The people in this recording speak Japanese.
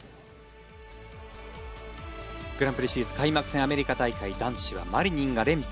グランプリシリーズ開幕戦アメリカ大会男子はマリニンが連覇。